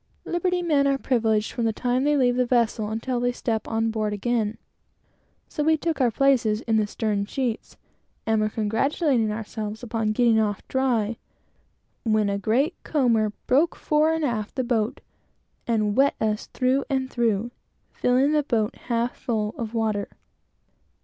Liberty men are privileged from the time they leave the vessel until they step on board again; so we took our places in the stern sheets, and were congratulating ourselves upon getting off dry, when a great comber broke fore and aft the boat, and wet us through and through, filling the boat half full of water.